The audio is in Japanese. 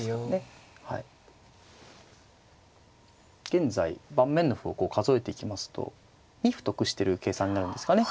現在盤面の歩をこう数えていきますと２歩得してる計算になるんですかね。